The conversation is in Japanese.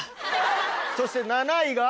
そして７位が。